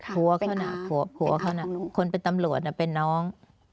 ผัวเขาน่ะผัวเขาน่ะคนเป็นตำรวจเป็นน้อง